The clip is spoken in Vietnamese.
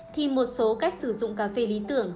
thì một số cách sử dụng cà phê lý tưởng